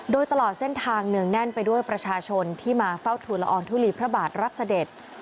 โดยตลอดเส้นทางเนืองแน่นไปด้วยประชาชนที่มาเฝ้าทุนละอองทุลีพระบาทรับเสด็จ